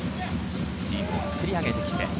チームを作り上げてきて。